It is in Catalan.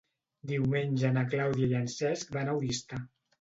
Diumenge na Clàudia i en Cesc van a Oristà.